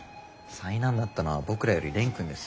災難だったのは僕らより蓮くんです。